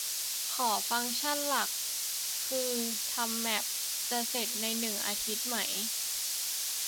ขอฟังก์ชันหลักคือทำแม็ป จะเสร็จในหนึ่งอาทิตย์ไหม